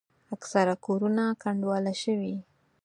اکثره کورونه کنډواله شوي.